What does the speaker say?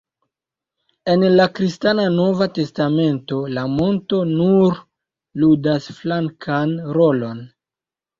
En la kristana Nova Testamento la monto nur ludas flankan rolon.